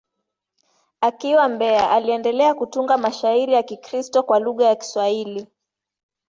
Akiwa Mbeya, aliendelea kutunga mashairi ya Kikristo kwa lugha ya Kiswahili.